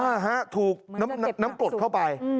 ฮะถูกน้ำกรดเข้าไป